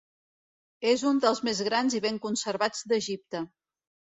És un dels més grans i ben conservats d'Egipte.